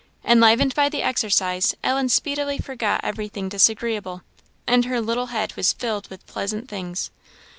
Enlivened by the exercise, Ellen speedily forgot everything disagreeable; and her little head was filled with pleasant things.